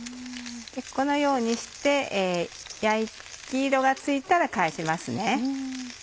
このようにして焼き色がついたら返しますね。